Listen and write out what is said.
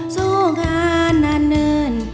สู้งานหนัน